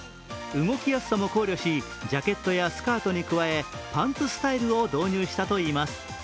動きやすさも考慮しジャケットやスカートに加えパンツスタイルを導入したといいます。